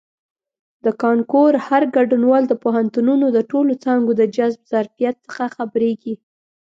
د کانکور هر ګډونوال د پوهنتونونو د ټولو څانګو د جذب ظرفیت څخه خبریږي.